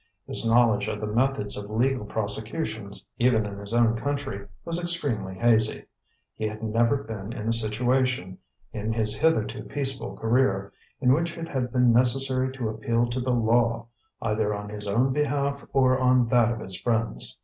His knowledge of the methods of legal prosecutions, even in his own country, was extremely hazy. He had never been in a situation, in his hitherto peaceful career, in which it had been necessary to appeal to the law, either on his own behalf or on that of his friends.